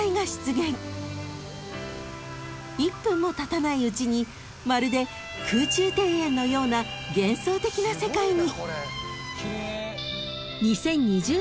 ［１分もたたないうちにまるで空中庭園のような幻想的な世界に］